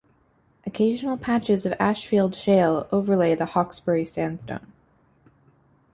Occasional patches of Ashfield shale overlay the Hawkesbury sandstone.